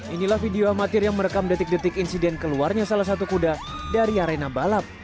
inilah video amatir yang merekam detik detik insiden keluarnya salah satu kuda dari arena balap